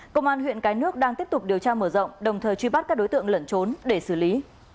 công an huyện cái nước đang tiếp tục điều tra mở rộng đồng thời truy bắt các đối tượng lẩn trốn để xử lý